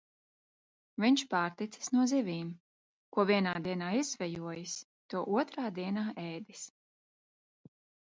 Viņš pārticis no zivīm: ko vienā dienā izzvejojis, to otrā dienā ēdis.